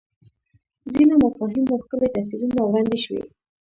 ځینو مفاهیمو ښکلي تصویرونه وړاندې شوي